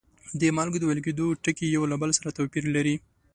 د مالګو د ویلي کیدو ټکي یو له بل سره توپیر لري.